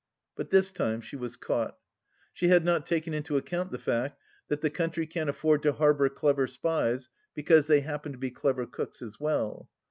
But this time she was caught. She had not taken into account the fact that the country can't afford to harbour clever spies because they happen to be clever cooks as well.